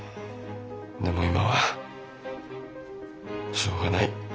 でも今はしょうがない。